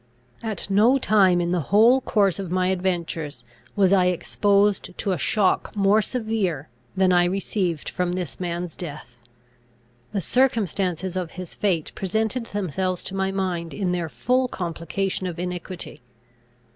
At no time in the whole course of my adventures was I exposed to a shock more severe, than I received from this man's death. The circumstances of his fate presented themselves to my mind in their full complication of iniquity.